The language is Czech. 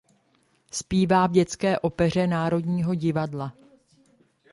Zpívá v dětské opeře Národního divadla.